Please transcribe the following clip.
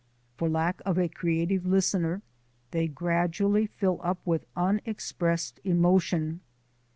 For lack of a creative listener they gradually fill up with unexpressed emotion.